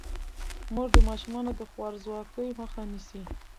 مور د ماشومانو د خوارځواکۍ مخه نیسي.